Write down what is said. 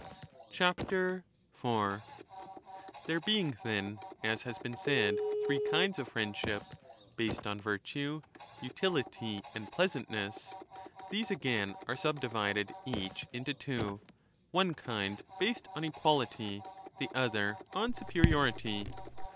4 There being, then, as has been said,^ three kinds of 1239^ friendship — based on virtue, utility, and pleasantness — these again are subdivided eac h in t o tw o, one kind based nn^Qiialit y, the other on superiority.